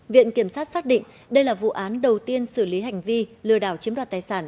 viện kiểm sát xác định đây là vụ án đầu tiên xử lý hành vi lừa đảo chiếm đoạt tài sản